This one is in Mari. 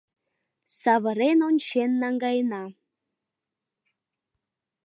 Савырен ончен наҥгаена.